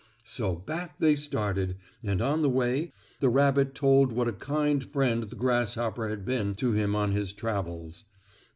So back they started, and on the way the rabbit told what a kind friend the grasshopper had been to him on his travels.